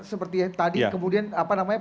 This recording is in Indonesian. seperti yang tadi kemudian apa namanya